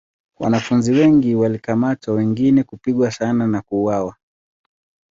Wanafunzi wengi walikamatwa wengine kupigwa sana na kuuawa.